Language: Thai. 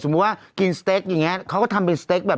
ว่ากินสเต็กอย่างนี้เขาก็ทำเป็นสเต็กแบบ